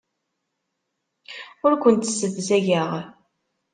Ur kent-ssebzageɣ.